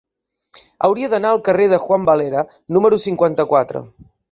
Hauria d'anar al carrer de Juan Valera número cinquanta-quatre.